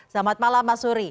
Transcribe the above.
selamat malam mas sury